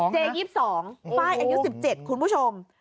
เจ๊๒๒ฝ้ายอายุ๑๗คุณผู้ชม